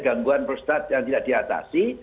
gangguan prostat yang tidak diatasi